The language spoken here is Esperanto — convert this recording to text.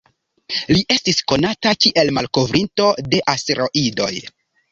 Li estis konata kiel malkovrinto de asteroidoj.